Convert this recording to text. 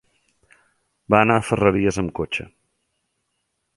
Va anar a Ferreries amb cotxe.